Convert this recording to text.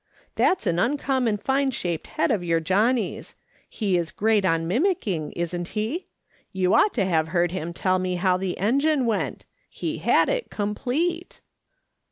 That's an uncommon fine shaped head of your Johnny's. He is great on mimicking, isn't he ? You ought to have heard him tell me how the engine went. He had it complete."